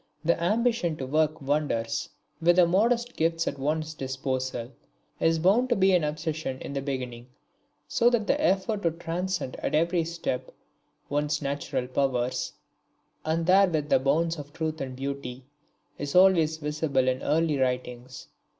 The ambition to work wonders with the modest gifts at one's disposal is bound to be an obsession in the beginning, so that the effort to transcend at every step one's natural powers, and therewith the bounds of truth and beauty, is always visible in early writings.